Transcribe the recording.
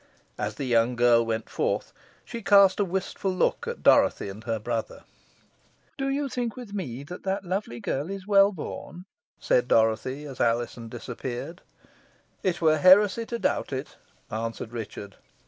As the young girl went forth, she cast a wistful look at Dorothy and her brother. "You think with me, that that lovely girl is well born?" said Dorothy, as Alizon disappeared. "It were heresy to doubt it," answered Richard.